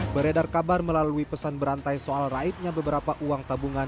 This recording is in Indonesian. beredar kabar melalui pesan berantai soal raibnya beberapa uang tabungan